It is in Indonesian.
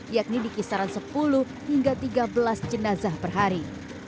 yakni di kisaran sepuluh hingga tiga belas jenazah per hari